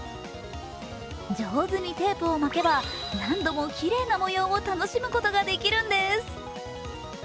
上手にテープを巻けば何度もきれいな模様を楽しむことができるんです。